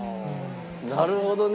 なるほどね。